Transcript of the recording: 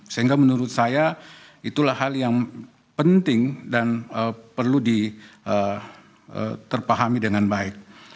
sehingga menurut saya itulah hal yang penting dan perlu terpahami dengan baik